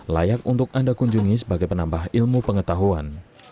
layak untuk anda kunjungi sebagai penambah ilmu pengetahuan